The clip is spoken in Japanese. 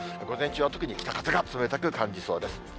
午前中は特に北風が冷たく感じそうです。